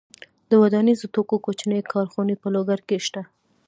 د ودانیزو توکو کوچنۍ کارخونې په لوګر کې شته.